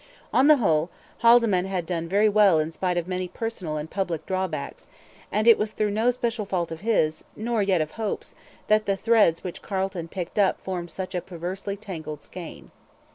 On the whole, Haldimand had done very well in spite of many personal and public drawbacks; and it was through no special fault of his, nor yet of Hope's, that the threads which Carleton picked up formed such a perversely tangled skein.